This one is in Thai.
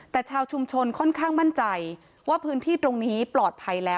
แต่ชาวชุมชนค่อนข้างมั่นใจว่าพื้นที่ตรงนี้ปลอดภัยแล้ว